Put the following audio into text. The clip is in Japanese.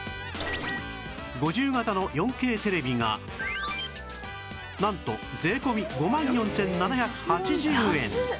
５０型の ４Ｋ テレビがなんと税込み５万４７８０円